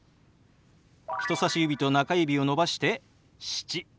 人さし指と中指を伸ばして「７」。